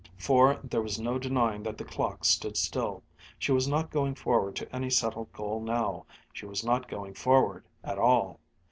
For there was no denying that the clock stood still. She was not going forward to any settled goal now, she was not going forward at all.